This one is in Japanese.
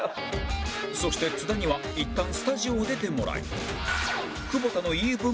そして津田にはいったんスタジオを出てもらい